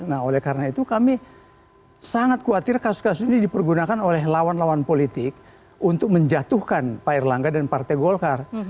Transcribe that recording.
nah oleh karena itu kami sangat khawatir kasus kasus ini dipergunakan oleh lawan lawan politik untuk menjatuhkan pak erlangga dan partai golkar